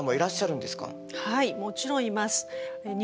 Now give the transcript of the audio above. はいもちろんいます。